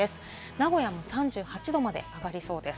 名古屋も３８度まで上がりそうです。